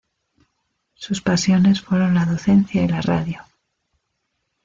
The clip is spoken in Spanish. Sus pasiones fueron la docencia y la radio.